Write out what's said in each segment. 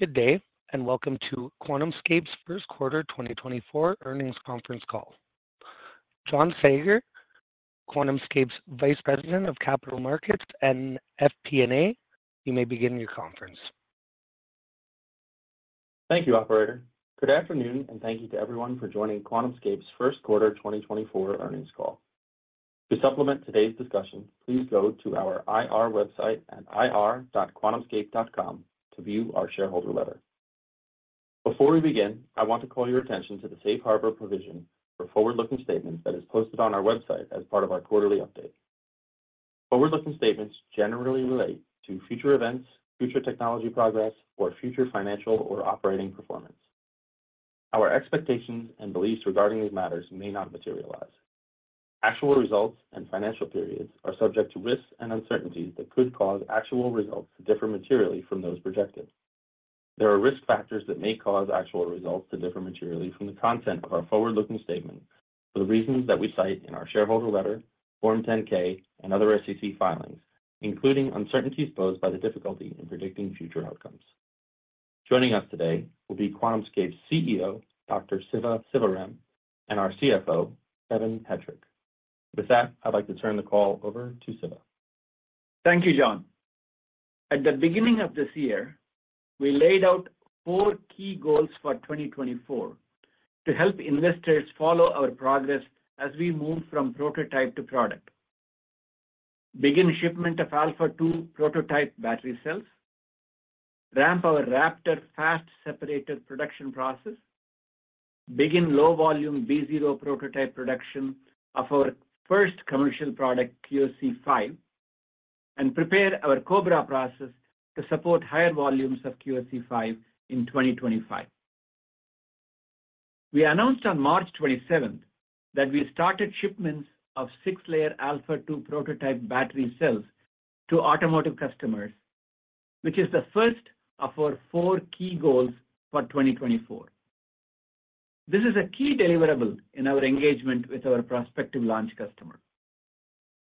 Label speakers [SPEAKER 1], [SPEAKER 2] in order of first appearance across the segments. [SPEAKER 1] Good day, and welcome to QuantumScape's First Quarter 2024 Earnings Conference Call. John Saager, QuantumScape's Vice President of Capital Markets and FP&A, you may begin your conference.
[SPEAKER 2] Thank you, operator. Good afternoon, and thank you to everyone for joining QuantumScape's First Quarter 2024 Earnings Call. To supplement today's discussion, please go to our IR website at ir.quantumscape.com to view our shareholder letter. Before we begin, I want to call your attention to the safe harbor provision for forward-looking statements that is posted on our website as part of our quarterly update. Forward-looking statements generally relate to future events, future technology progress, or future financial or operating performance. Our expectations and beliefs regarding these matters may not materialize. Actual results and financial periods are subject to risks and uncertainties that could cause actual results to differ materially from those projected. There are risk factors that may cause actual results to differ materially from the content of our forward-looking statements for the reasons that we cite in our shareholder letter, Form 10-K, and other SEC filings, including uncertainties posed by the difficulty in predicting future outcomes. Joining us today will be QuantumScape's CEO, Dr. Siva Sivaram, and our CFO, Kevin Hettrich. With that, I'd like to turn the call over to Siva.
[SPEAKER 3] Thank you, John. At the beginning of this year, we laid out four key goals for 2024 to help investors follow our progress as we move from prototype to product: begin shipment of Alpha-2 prototype battery cells, ramp our Raptor fast separator production process, begin low volume B0 prototype production of our first commercial product, QSE-5, and prepare our Cobra process to support higher volumes of QSE-5 in 2025. We announced on March 27th that we started shipments of six-layer Alpha-2 prototype battery cells to automotive customers, which is the first of our four key goals for 2024. This is a key deliverable in our engagement with our prospective launch customer.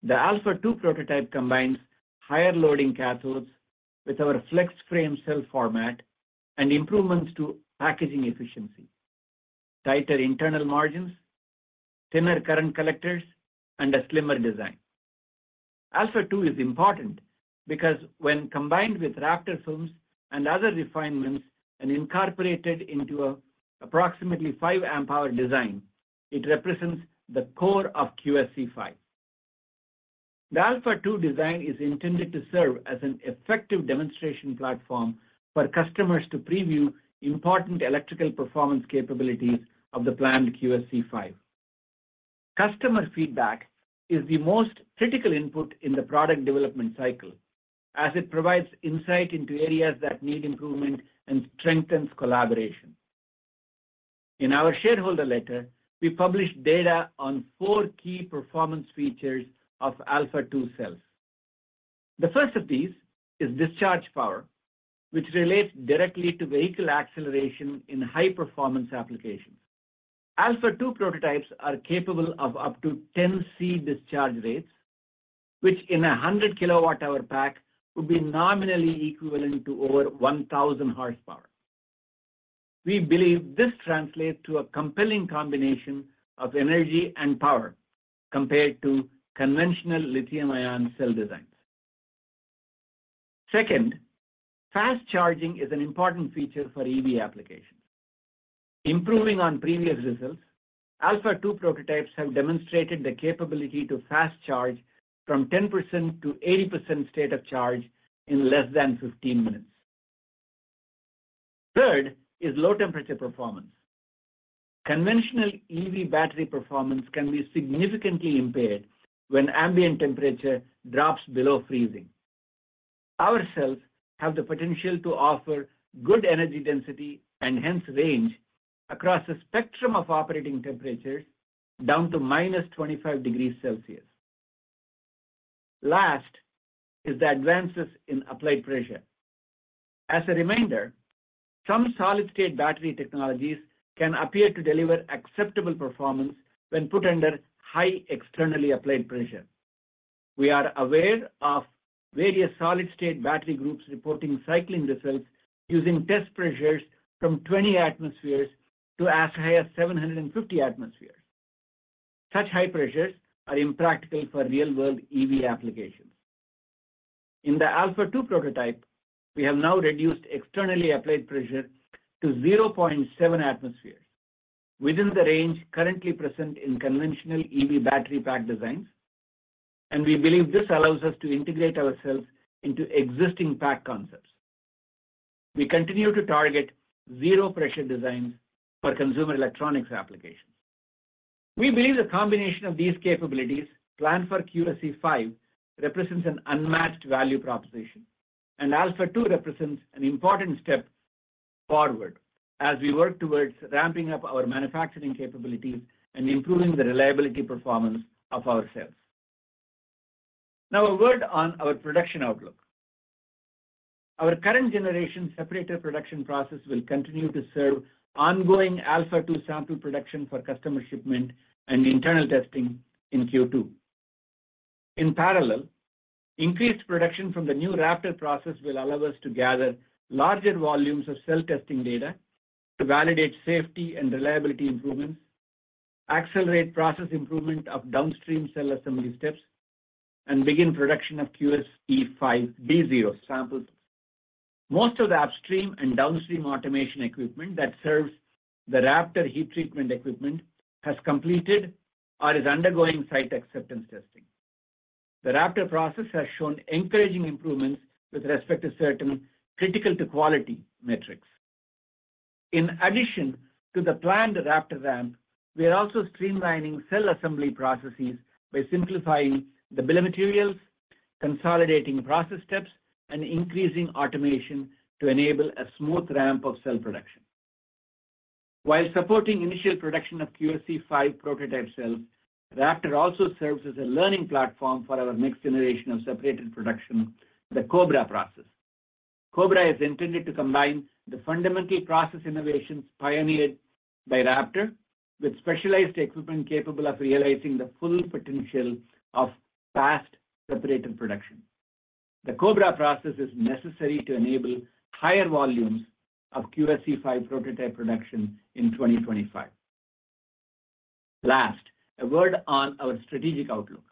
[SPEAKER 3] The Alpha-2 prototype combines higher loading cathodes with our FlexFrame cell format and improvements to packaging efficiency, tighter internal margins, thinner current collectors, and a slimmer design. Alpha-2 is important because when combined with Raptor films and other refinements and incorporated into an approximately five amp-hour design, it represents the core of QSE-5. The Alpha-2 design is intended to serve as an effective demonstration platform for customers to preview important electrical performance capabilities of the planned QSE-5. Customer feedback is the most critical input in the product development cycle, as it provides insight into areas that need improvement and strengthens collaboration. In our shareholder letter, we published data on four key performance features of Alpha-2 cells. The first of these is discharge power, which relates directly to vehicle acceleration in high-performance applications. Alpha-2 prototypes are capable of up to 10C discharge rates, which in a 100 kWh pack would be nominally equivalent to over 1,000 hp. We believe this translates to a compelling combination of energy and power compared to conventional lithium-ion cell designs. Second, fast charging is an important feature for EV applications. Improving on previous results, Alpha-2 prototypes have demonstrated the capability to fast charge from 10%-80% state of charge in less than 15 minutes. Third is low-temperature performance. Conventional EV battery performance can be significantly impaired when ambient temperature drops below freezing. Our cells have the potential to offer good energy density, and hence range, across a spectrum of operating temperatures down to -25 degrees Celsius. Last is the advances in applied pressure. As a reminder, some solid-state battery technologies can appear to deliver acceptable performance when put under high externally applied pressure. We are aware of various solid-state battery groups reporting cycling results using test pressures from 20 atm to as high as 750 atm. Such high pressures are impractical for real-world EV applications. In the Alpha-2 prototype, we have now reduced externally applied pressure to 0.7 atm within the range currently present in conventional EV battery pack designs, and we believe this allows us to integrate our cells into existing pack concepts. We continue to target zero pressure designs for consumer electronics applications. We believe the combination of these capabilities planned for QSE-5 represents an unmatched value proposition, and Alpha-2 represents an important step forward as we work towards ramping up our manufacturing capabilities and improving the reliability performance of our cells. Now, a word on our production outlook. Our current generation separator production process will continue to serve ongoing Alpha-2 sample production for customer shipment and internal testing in Q2. In parallel, increased production from the new Raptor process will allow us to gather larger volumes of cell testing data to validate safety and reliability improvements, accelerate process improvement of downstream cell assembly steps, and begin production of QSE-5 B0 samples. Most of the upstream and downstream automation equipment that serves the Raptor heat treatment equipment has completed or is undergoing site acceptance testing. The Raptor process has shown encouraging improvements with respect to certain critical to quality metrics. In addition to the planned Raptor ramp, we are also streamlining cell assembly processes by simplifying the bill of materials, consolidating process steps, and increasing automation to enable a smooth ramp of cell production. While supporting initial production of QSE-5 prototype cells, Raptor also serves as a learning platform for our next generation of separator production, the Cobra process. Cobra is intended to combine the fundamental process innovations pioneered by Raptor, with specialized equipment capable of realizing the full potential of fast separator production. The Cobra process is necessary to enable higher volumes of QSE-5 prototype production in 2025. Last, a word on our strategic outlook.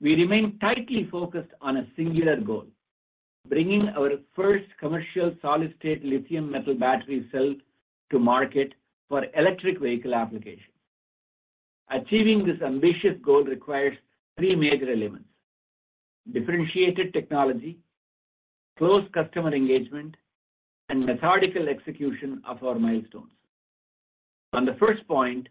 [SPEAKER 3] We remain tightly focused on a singular goal: bringing our first commercial solid-state lithium metal battery cell to market for electric vehicle applications. Achieving this ambitious goal requires three major elements: differentiated technology, close customer engagement, and methodical execution of our milestones. On the first point,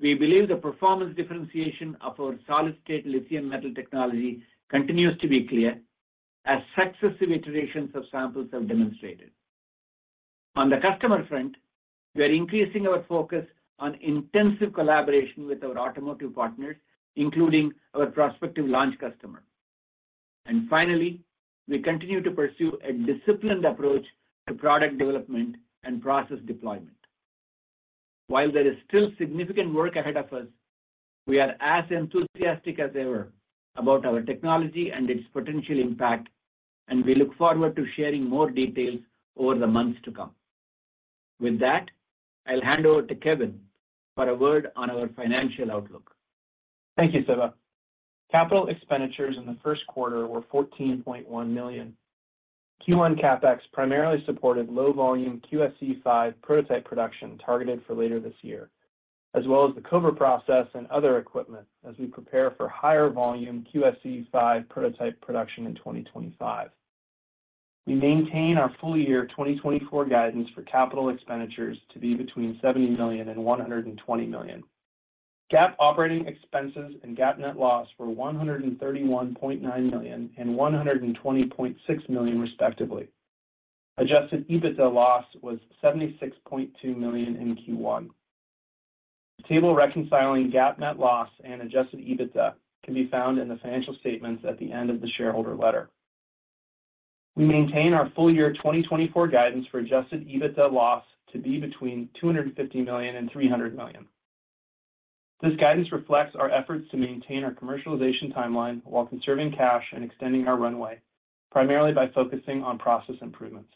[SPEAKER 3] we believe the performance differentiation of our solid-state lithium metal technology continues to be clear, as successive iterations of samples have demonstrated. On the customer front, we are increasing our focus on intensive collaboration with our automotive partners, including our prospective launch customer. Finally, we continue to pursue a disciplined approach to product development and process deployment. While there is still significant work ahead of us, we are as enthusiastic as ever about our technology and its potential impact, and we look forward to sharing more details over the months to come. With that, I'll hand over to Kevin for a word on our financial outlook.
[SPEAKER 4] Thank you, Siva. Capital expenditures in the first quarter were $14.1 million. Q1 CapEx primarily supported low volume QSE-5 prototype production targeted for later this year, as well as the Cobra process and other equipment as we prepare for higher volume QSE-5 prototype production in 2025. We maintain our full year 2024 guidance for capital expenditures to be between $70 million and $120 million. GAAP operating expenses and GAAP net loss were $131.9 million and $120.6 million, respectively. Adjusted EBITDA loss was $76.2 million in Q1. The table reconciling GAAP net loss and adjusted EBITDA can be found in the financial statements at the end of the shareholder letter. We maintain our full year 2024 guidance for adjusted EBITDA loss to be between $250 million and $300 million. This guidance reflects our efforts to maintain our commercialization timeline while conserving cash and extending our runway, primarily by focusing on process improvements.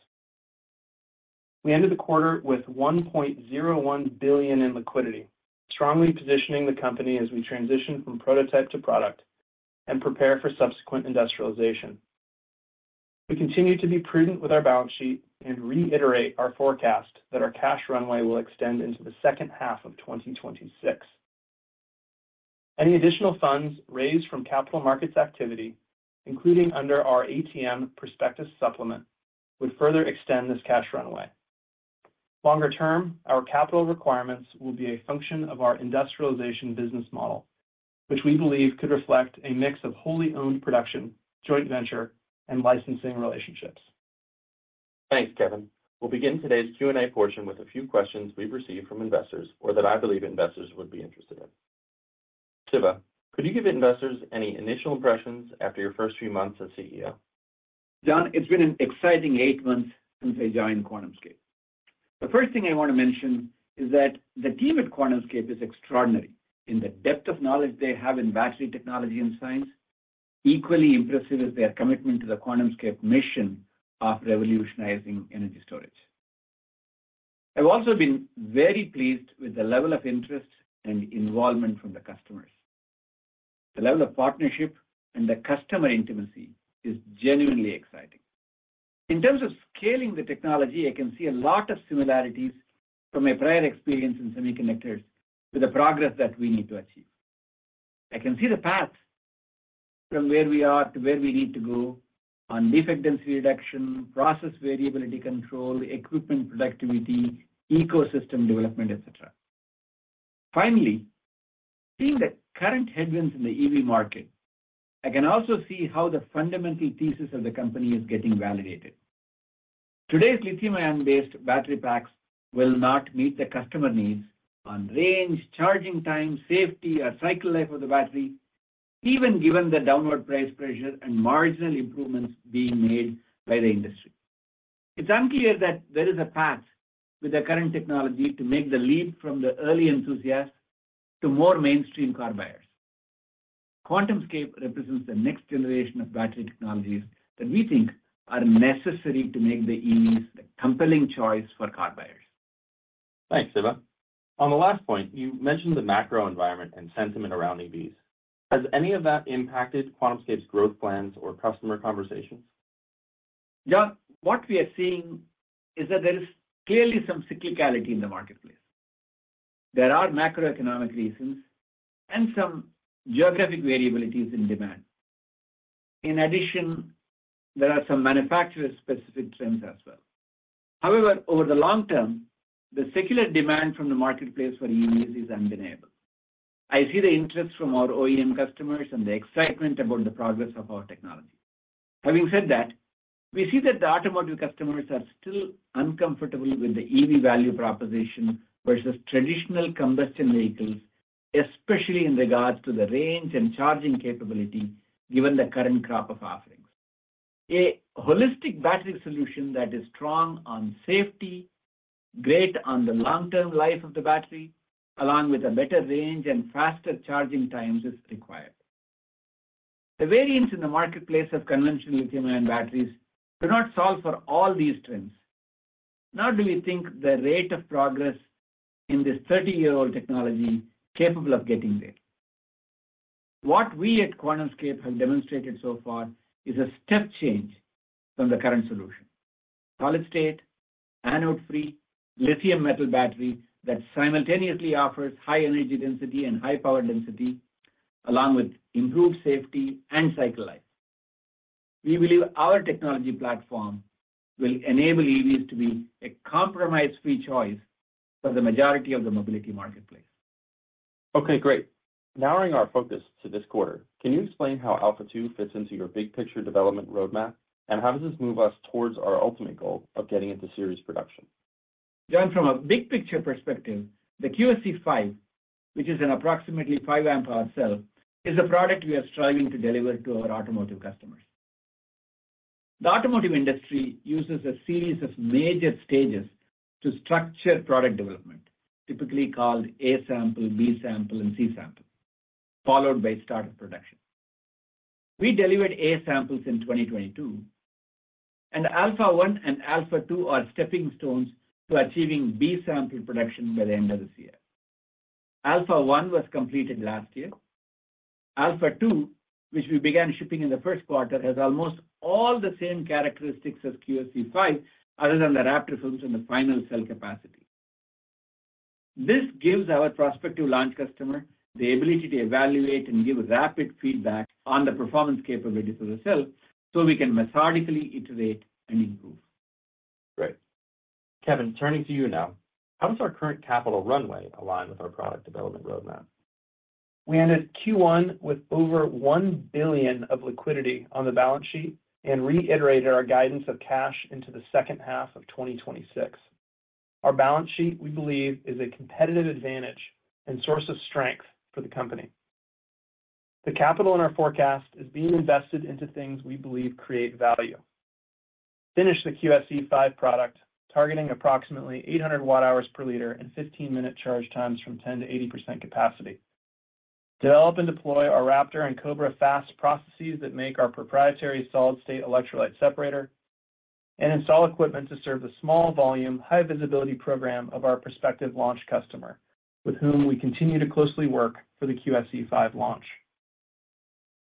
[SPEAKER 4] We ended the quarter with $1.01 billion in liquidity, strongly positioning the company as we transition from prototype to product and prepare for subsequent industrialization. We continue to be prudent with our balance sheet and reiterate our forecast that our cash runway will extend into the second half of 2026. Any additional funds raised from capital markets activity, including under our ATM prospectus supplement, would further extend this cash runway. Longer term, our capital requirements will be a function of our industrialization business model, which we believe could reflect a mix of wholly owned production, joint venture, and licensing relationships.
[SPEAKER 2] Thanks, Kevin. We'll begin today's Q&A portion with a few questions we've received from investors or that I believe investors would be interested in. Siva, could you give investors any initial impressions after your first few months as CEO?
[SPEAKER 3] John, it's been an exciting eight months since I joined QuantumScape. The first thing I want to mention is that the team at QuantumScape is extraordinary in the depth of knowledge they have in battery technology and science. Equally impressive is their commitment to the QuantumScape mission of revolutionizing energy storage. I've also been very pleased with the level of interest and involvement from the customers. The level of partnership and the customer intimacy is genuinely exciting. In terms of scaling the technology, I can see a lot of similarities from my prior experience in semiconductors to the progress that we need to achieve. I can see the path from where we are to where we need to go on defect density reduction, process variability control, equipment productivity, ecosystem development, et cetera. Finally, seeing the current headwinds in the EV market, I can also see how the fundamental thesis of the company is getting validated. Today's lithium-ion based battery packs will not meet the customer needs on range, charging time, safety, or cycle life of the battery, even given the downward price pressure and marginal improvements being made by the industry.... It's unclear that there is a path with the current technology to make the leap from the early enthusiasts to more mainstream car buyers. QuantumScape represents the next generation of battery technologies that we think are necessary to make the EVs a compelling choice for car buyers.
[SPEAKER 2] Thanks, Siva. On the last point, you mentioned the macro environment and sentiment around EVs. Has any of that impacted QuantumScape's growth plans or customer conversations?
[SPEAKER 3] Yeah. What we are seeing is that there is clearly some cyclicality in the marketplace. There are macroeconomic reasons and some geographic variabilities in demand. In addition, there are some manufacturer-specific trends as well. However, over the long term, the secular demand from the marketplace for EVs is undeniable. I see the interest from our OEM customers and the excitement about the progress of our technology. Having said that, we see that the automotive customers are still uncomfortable with the EV value proposition versus traditional combustion vehicles, especially in regards to the range and charging capability, given the current crop of offerings. A holistic battery solution that is strong on safety, great on the long-term life of the battery, along with a better range and faster charging times, is required. The variance in the marketplace of conventional lithium-ion batteries do not solve for all these trends, nor do we think the rate of progress in this 30-year-old technology capable of getting there. What we at QuantumScape have demonstrated so far is a step change from the current solution: solid-state, anode-free, lithium metal battery that simultaneously offers high energy density and high power density, along with improved safety and cycle life. We believe our technology platform will enable EVs to be a compromise-free choice for the majority of the mobility marketplace.
[SPEAKER 2] Okay, great. Narrowing our focus to this quarter, can you explain how Alpha-2 fits into your big picture development roadmap, and how does this move us towards our ultimate goal of getting into series production?
[SPEAKER 3] John, from a big picture perspective, the QSE-5, which is an approximately 5 amp-hour cell, is a product we are striving to deliver to our automotive customers. The automotive industry uses a series of major stages to structure product development, typically called A sample, B sample, and C sample, followed by start of production. We delivered A samples in 2022, and Alpha-1 and Alpha-2 are stepping stones to achieving B sample production by the end of this year. Alpha-1 was completed last year. Alpha-2, which we began shipping in the first quarter, has almost all the same characteristics as QSE-5, other than the wrap performance and the final cell capacity. This gives our prospective launch customer the ability to evaluate and give rapid feedback on the performance capabilities of the cell, so we can methodically iterate and improve.
[SPEAKER 2] Great. Kevin, turning to you now, how does our current capital runway align with our product development roadmap?
[SPEAKER 4] We ended Q1 with over $1 billion of liquidity on the balance sheet and reiterated our guidance of cash into the second half of 2026. Our balance sheet, we believe, is a competitive advantage and source of strength for the company. The capital in our forecast is being invested into things we believe create value. Finish the QSE-5 product, targeting approximately 800 Wh/L and 15-minute charge times from 10%-80% capacity. Develop and deploy our Raptor and Cobra fast processes that make our proprietary solid-state electrolyte separator. And install equipment to serve the small volume, high visibility program of our prospective launch customer, with whom we continue to closely work for the QSE-5 launch.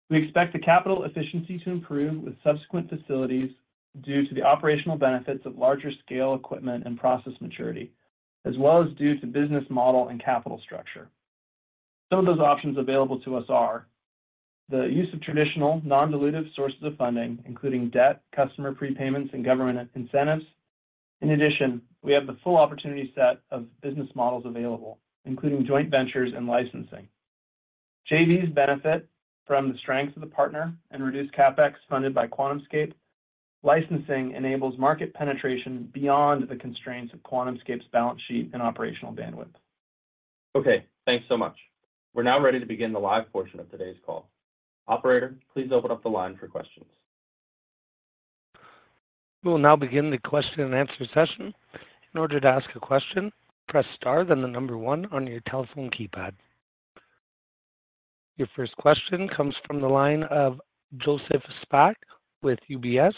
[SPEAKER 4] We expect the capital efficiency to improve with subsequent facilities due to the operational benefits of larger scale equipment and process maturity, as well as due to business model and capital structure. Some of those options available to us are the use of traditional non-dilutive sources of funding, including debt, customer prepayments, and government incentives. In addition, we have the full opportunity set of business models available, including joint ventures and licensing. JVs benefit from the strength of the partner and reduced CapEx funded by QuantumScape. Licensing enables market penetration beyond the constraints of QuantumScape's balance sheet and operational bandwidth.
[SPEAKER 2] Okay, thanks so much. We're now ready to begin the live portion of today's call. Operator, please open up the line for questions.
[SPEAKER 1] We will now begin the question and answer session. In order to ask a question, press star, then the number one on your telephone keypad. Your first question comes from the line of Joseph Spak with UBS.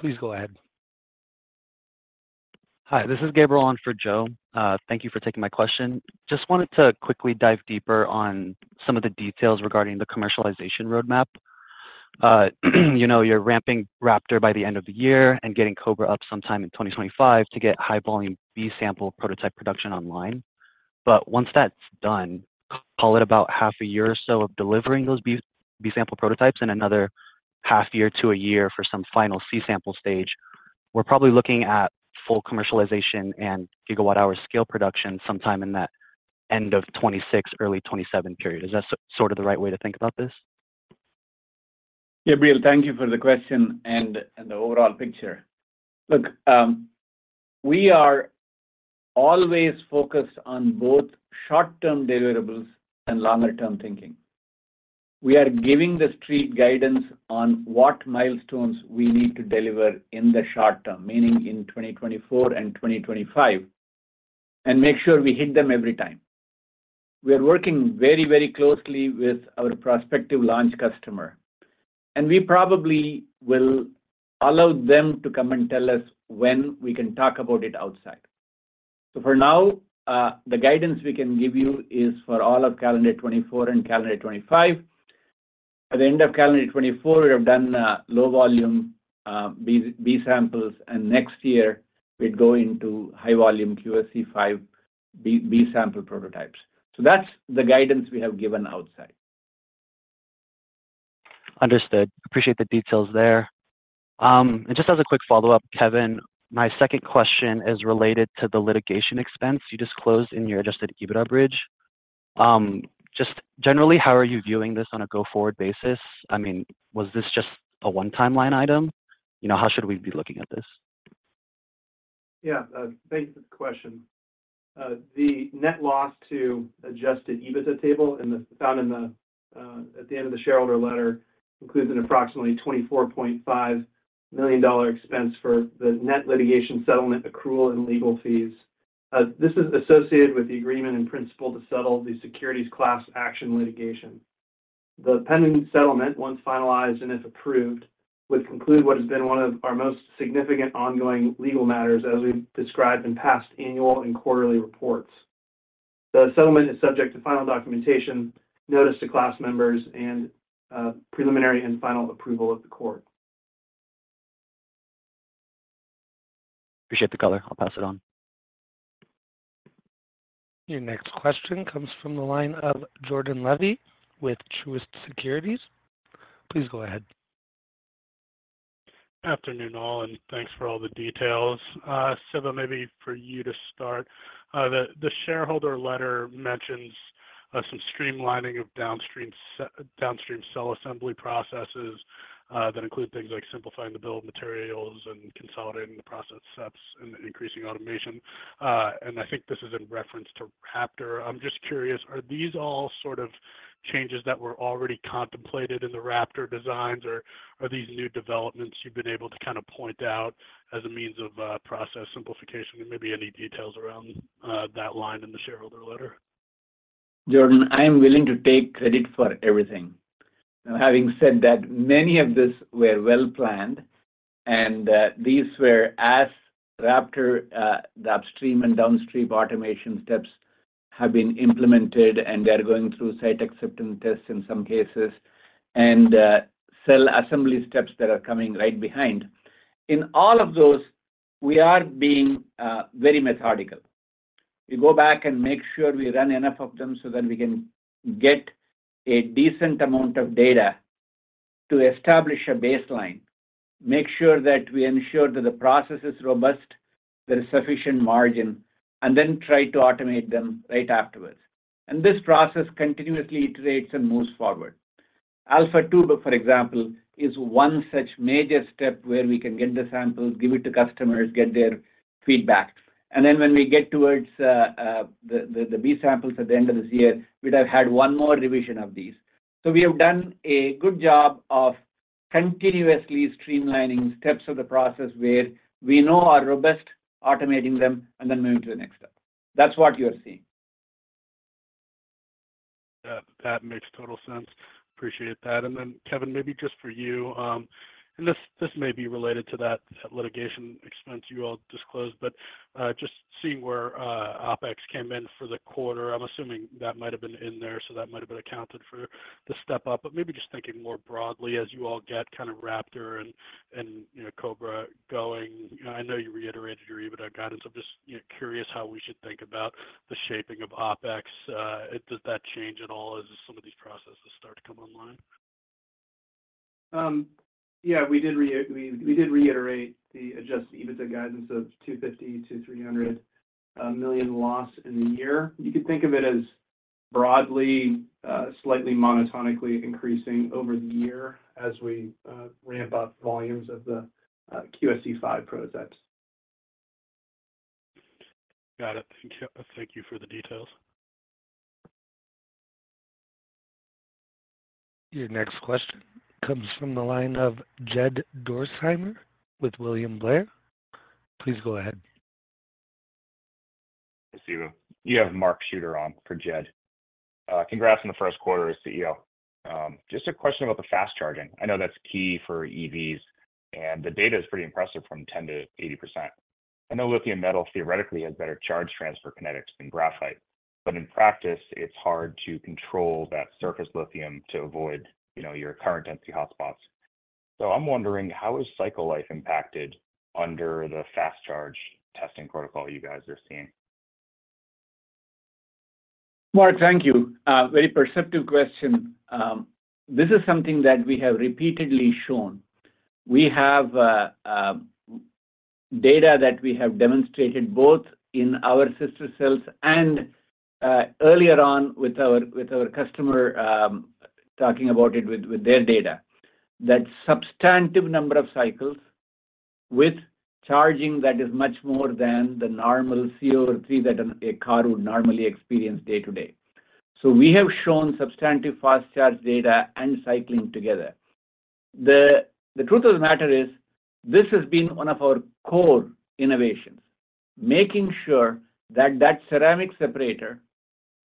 [SPEAKER 1] Please go ahead.
[SPEAKER 5] Hi, this is Gabriel on for Joe. Thank you for taking my question. Just wanted to quickly dive deeper on some of the details regarding the commercialization roadmap. You know, you're ramping Raptor by the end of the year and getting Cobra up sometime in 2025 to get high volume B sample prototype production online. But once that's done, call it about half a year or so of delivering those B sample prototypes and another half year to a year for some final C sample stage, we're probably looking at full commercialization and gigawatt hour scale production sometime in that end of 2026, early 2027 period. Is that sort of the right way to think about this?
[SPEAKER 3] Gabriel, thank you for the question and the overall picture. Look, we are always focused on both short-term deliverables and longer-term thinking. We are giving the street guidance on what milestones we need to deliver in the short term, meaning in 2024 and 2025, and make sure we hit them every time. We are working very, very closely with our prospective launch customer, and we probably will allow them to come and tell us when we can talk about it outside. So for now, the guidance we can give you is for all of calendar 2024 and calendar 2025. At the end of calendar 2024, we have done low volume B samples, and next year we're going to high volume QSE-5 B sample prototypes. So that's the guidance we have given outside.
[SPEAKER 5] Understood. Appreciate the details there. And just as a quick follow-up, Kevin, my second question is related to the litigation expense you disclosed in your adjusted EBITDA bridge. Just generally, how are you viewing this on a go-forward basis? I mean, was this just a one-time line item? You know, how should we be looking at this?
[SPEAKER 4] Yeah, thanks for the question. The net loss to adjusted EBITDA table found in the, at the end of the shareholder letter, includes an approximately $24.5 million expense for the net litigation settlement, accrual, and legal fees. This is associated with the agreement in principle to settle the securities class action litigation. The pending settlement, once finalized and if approved, would conclude what has been one of our most significant ongoing legal matters, as we've described in past annual and quarterly reports. The settlement is subject to final documentation, notice to class members, and preliminary and final approval of the court.
[SPEAKER 5] Appreciate the color. I'll pass it on.
[SPEAKER 1] Your next question comes from the line of Jordan Levy with Truist Securities. Please go ahead.
[SPEAKER 6] Afternoon, all, and thanks for all the details. Siva, maybe for you to start. The shareholder letter mentions some streamlining of downstream cell assembly processes that include things like simplifying the bill of materials and consolidating the process steps and increasing automation. And I think this is in reference to Raptor. I'm just curious, are these all sort of changes that were already contemplated in the Raptor designs, or are these new developments you've been able to kind of point out as a means of process simplification, and maybe any details around that line in the shareholder letter?
[SPEAKER 3] Jordan, I am willing to take credit for everything. Now, having said that, many of this were well planned, and, these were as Raptor, the upstream and downstream automation steps have been implemented, and they are going through site acceptance tests in some cases, and, cell assembly steps that are coming right behind. In all of those, we are being, very methodical. We go back and make sure we run enough of them so that we can get a decent amount of data to establish a baseline, make sure that we ensure that the process is robust, there is sufficient margin, and then try to automate them right afterwards. And this process continuously iterates and moves forward. Alpha-2, for example, is one such major step where we can get the samples, give it to customers, get their feedback, and then when we get towards the B samples at the end of this year, we'd have had one more revision of these. So we have done a good job of continuously streamlining steps of the process where we know are robust, automating them, and then moving to the next step. That's what you are seeing.
[SPEAKER 6] Yeah, that makes total sense. Appreciate that. And then, Kevin, maybe just for you, and this, this may be related to that litigation expense you all disclosed, but, just seeing where, OpEx came in for the quarter, I'm assuming that might have been in there, so that might have been accounted for the step-up. But maybe just thinking more broadly, as you all get kind of Raptor and, and, you know, Cobra going, I know you reiterated your EBITDA guidance. I'm just, you know, curious how we should think about the shaping of OpEx. Does that change at all as some of these processes start to come online?
[SPEAKER 4] Yeah, we did reiterate the adjusted EBITDA guidance of $250 million-$300 million loss in the year. You could think of it as broadly, slightly monotonically increasing over the year as we ramp up volumes of the QSE-5 prototypes.
[SPEAKER 6] Got it. Thank you. Thank you for the details.
[SPEAKER 1] Your next question comes from the line of Jed Dorsheimer with William Blair. Please go ahead.
[SPEAKER 7] Siva, you have Mark Shooter on for Jed. Congrats on the first quarter as CEO. Just a question about the fast charging. I know that's key for EVs, and the data is pretty impressive from 10%-80%. I know lithium metal theoretically has better charge transfer kinetics than graphite, but in practice, it's hard to control that surface lithium to avoid, you know, your current density hotspots. So I'm wondering, how is cycle life impacted under the fast charge testing protocol you guys are seeing?
[SPEAKER 3] Mark, thank you. Very perceptive question. This is something that we have repeatedly shown. We have data that we have demonstrated both in our sister cells and earlier on with our customer, talking about it with their data. That substantial number of cycles with charging that is much more than the normal fuel feed that a car would normally experience day-to-day. So we have shown substantial fast charge data and cycling together. The truth of the matter is, this has been one of our core innovations, making sure that that ceramic separator,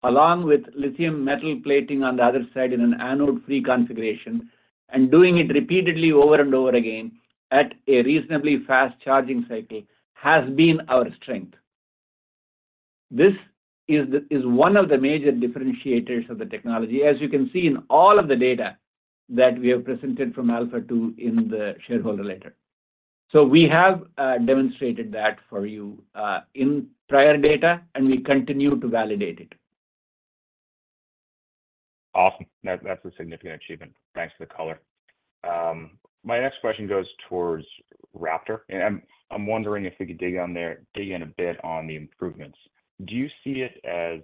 [SPEAKER 3] along with lithium metal plating on the other side in an anode-free configuration, and doing it repeatedly over and over again at a reasonably fast charging cycle, has been our strength. This is one of the major differentiators of the technology, as you can see in all of the data that we have presented from Alpha-2 in the shareholder letter. So we have demonstrated that for you in prior data, and we continue to validate it.
[SPEAKER 7] Awesome. That's a significant achievement. Thanks for the color. My next question goes towards Raptor, and I'm wondering if we could dig in a bit on the improvements. Do you see it as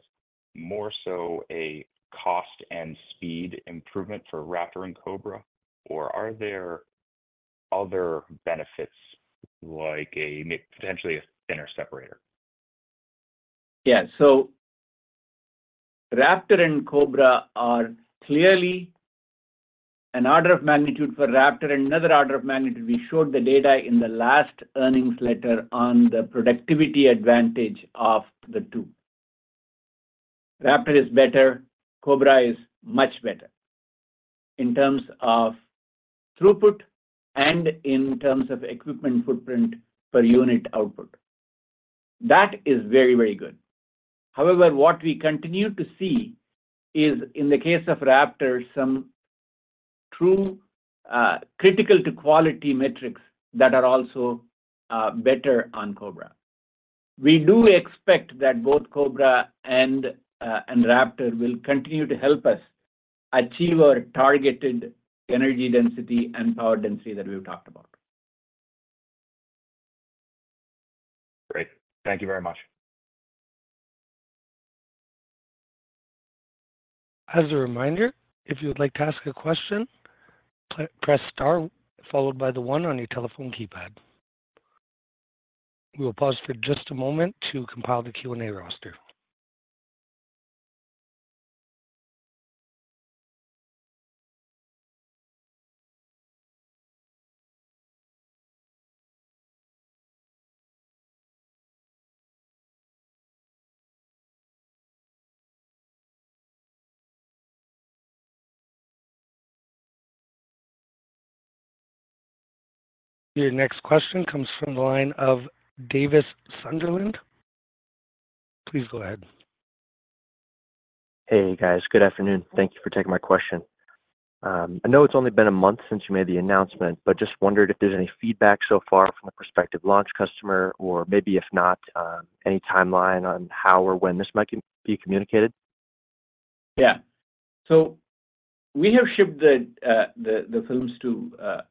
[SPEAKER 7] more so a cost and speed improvement for Raptor and Cobra, or are there other benefits, like potentially a thinner separator?
[SPEAKER 3] Yeah. So Raptor and Cobra are clearly an order of magnitude for Raptor and another order of magnitude. We showed the data in the last earnings letter on the productivity advantage of the two. Raptor is better, Cobra is much better in terms of throughput and in terms of equipment footprint per unit output. That is very, very good. However, what we continue to see is, in the case of Raptor, some true, critical to quality metrics that are also, better on Cobra. We do expect that both Cobra and Raptor will continue to help us achieve our targeted energy density and power density that we've talked about.
[SPEAKER 7] Great. Thank you very much.
[SPEAKER 1] As a reminder, if you would like to ask a question, please press star followed by the one on your telephone keypad. We will pause for just a moment to compile the Q&A roster. Your next question comes from the line of Davis Sunderland. Please go ahead.
[SPEAKER 8] Hey, guys. Good afternoon. Thank you for taking my question. I know it's only been a month since you made the announcement, but just wondered if there's any feedback so far from a prospective launch customer, or maybe if not, any timeline on how or when this might be communicated?
[SPEAKER 3] Yeah. So we have shipped the films to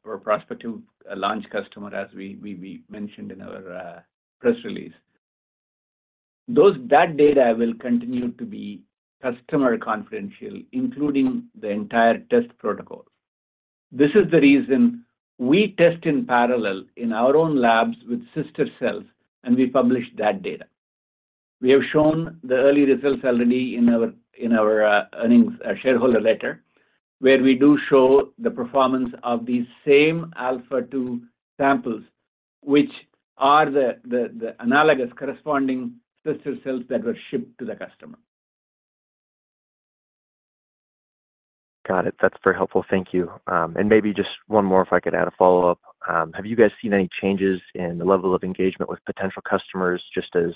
[SPEAKER 3] our prospective launch customer, as we mentioned in our press release. That data will continue to be customer confidential, including the entire test protocol. This is the reason we test in parallel in our own labs with sister cells, and we publish that data. We have shown the early results already in our earnings shareholder letter, where we do show the performance of these same Alpha-2 samples, which are the analogous corresponding sister cells that were shipped to the customer.
[SPEAKER 8] Got it. That's very helpful. Thank you. And maybe just one more, if I could add a follow-up. Have you guys seen any changes in the level of engagement with potential customers, just as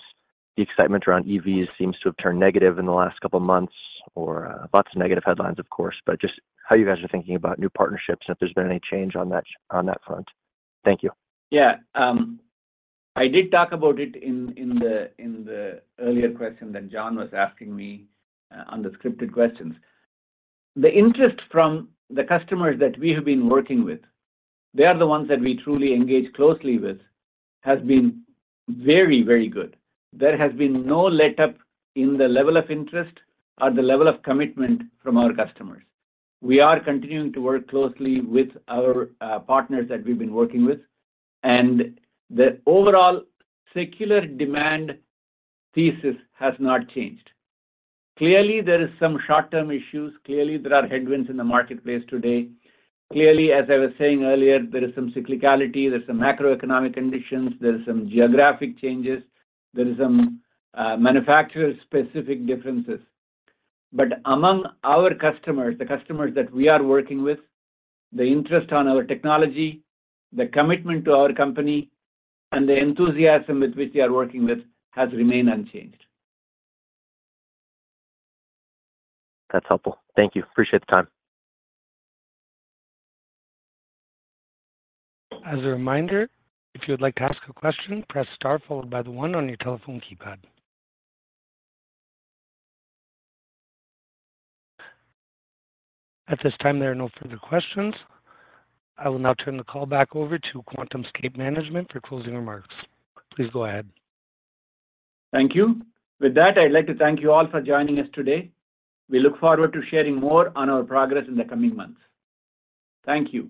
[SPEAKER 8] the excitement around EVs seems to have turned negative in the last couple of months, or lots of negative headlines, of course, but just how you guys are thinking about new partnerships, if there's been any change on that, on that front? Thank you.
[SPEAKER 3] Yeah. I did talk about it in the earlier question that John was asking me on the scripted questions. The interest from the customers that we have been working with, they are the ones that we truly engage closely with, has been very, very good. There has been no letup in the level of interest or the level of commitment from our customers. We are continuing to work closely with our partners that we've been working with, and the overall secular demand thesis has not changed. Clearly, there is some short-term issues. Clearly, there are headwinds in the marketplace today. Clearly, as I was saying earlier, there is some cyclicality, there's some macroeconomic conditions, there is some geographic changes, there is some manufacturer-specific differences. But among our customers, the customers that we are working with, the interest on our technology, the commitment to our company, and the enthusiasm with which they are working with has remained unchanged.
[SPEAKER 8] That's helpful. Thank you. Appreciate the time.
[SPEAKER 1] As a reminder, if you would like to ask a question, press star followed by the one on your telephone keypad. At this time, there are no further questions. I will now turn the call back over to QuantumScape management for closing remarks. Please go ahead.
[SPEAKER 3] Thank you. With that, I'd like to thank you all for joining us today. We look forward to sharing more on our progress in the coming months. Thank you.